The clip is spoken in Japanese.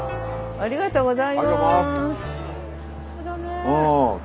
ありがとうございます。